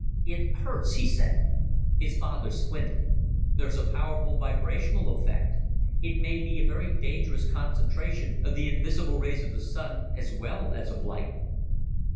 "It hurts," he said. His father squinted. "There's a powerful vibrational effect. It may be a very dangerous concentration of the invisible rays of the Sun as well as of light."